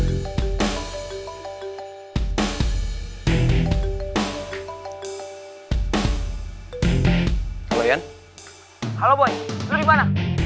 lima temen kita anggota wario